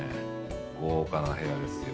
豪華な部屋ですよ